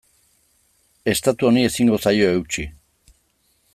Estatu honi ezingo zaio eutsi.